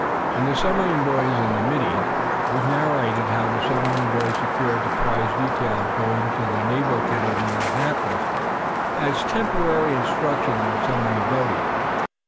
In "The Submarine Boys and the Middies" was narrated how the submarine boys secured the prize detail of going to the Naval Academy at Annapolis as temporary instructors in submarine boating.